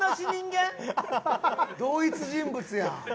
同一人物やん。